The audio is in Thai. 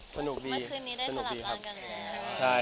กันนี้ได้สลับล้างกันเนี่ย